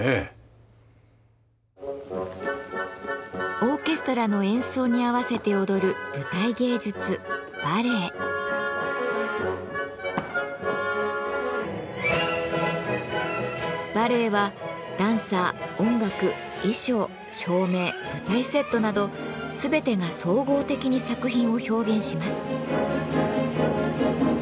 オーケストラの演奏に合わせて踊る舞台芸術バレエはダンサー音楽衣装照明舞台セットなど全てが総合的に作品を表現します。